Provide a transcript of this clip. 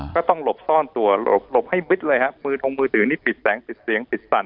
ก็ต้องหลบซ่อนตัวหลบให้บิ๊บเลยครับมือถูกมือถือนี่ปิดแสงปิดเสียงปิดสัน